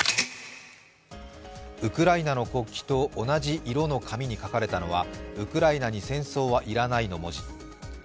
ウクライナの国旗と同じ色の紙に書かれたのは「ウクライナに戦争はいらない」の文字。